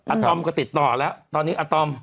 ตอมก็ติดต่อแล้วตอนนี้อาตอม